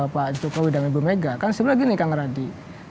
pak jokowi dan ibu mega kan sebenarnya gini kang radi